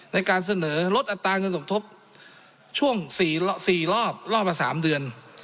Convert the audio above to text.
ในการเสนอลดอัตราเงินสมทบช่วง๔รอบรอบละ๓เดือน